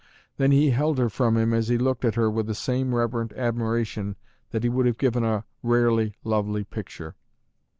Then he held her from him as he looked at her with the same reverent admiration that he would have given a rarely lovely picture.